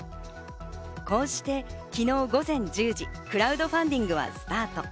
こうして昨日午前１０時、クラウドファンディングはスタート。